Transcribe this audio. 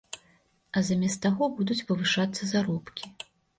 А замест таго будуць павышацца заробкі.